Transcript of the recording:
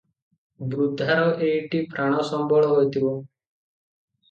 ବୃଦ୍ଧାର ଏଇଟି ପ୍ରାଣସମ୍ବଳ ହୋଇଥିବ ।